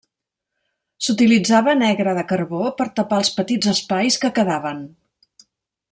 S'utilitzava negre de carbó per tapar els petits espais que quedaven.